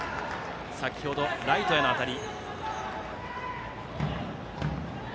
先ほど、ライトへの当たり。